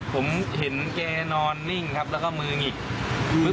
ผมเห็นแกนอนนิ่งแล้วก็มืองิฮือ